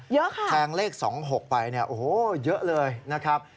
เยอะค่ะแทงเลข๒๖ไปเนี่ยโอ้โหเยอะเลยนะครับ